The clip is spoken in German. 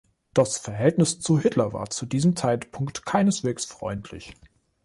Das Verhältnis zu Hitler war zu diesem Zeitpunkt keineswegs freundlich.